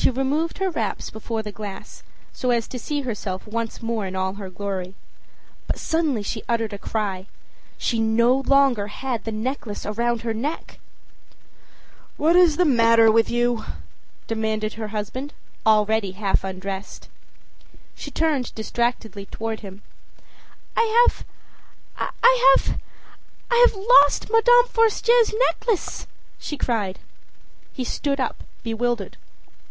She removed her wraps before the glass so as to see herself once more in all her glory. But suddenly she uttered a cry. She no longer had the necklace around her neck! âWhat is the matter with you?â demanded her husband, already half undressed. She turned distractedly toward him. âI have I have I've lost Madame Forestier's necklace,â she cried. He stood up, bewildered.